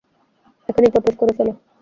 এখনই প্রপোজ করে ফেলো।